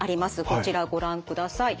こちらご覧ください。